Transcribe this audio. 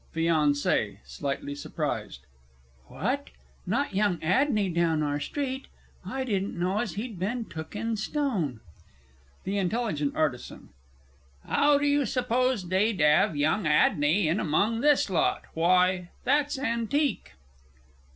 FIANCÉE (slightly surprised). What! not young Adney down our street? I didn't know as he'd been took in stone. THE I. A. How do you suppose they'd 'ave young Adney in among this lot why, that's antique!